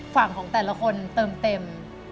ฝั่งของแต่ละคนเติมเต็ม